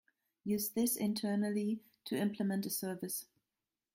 Use this internally to implement a service.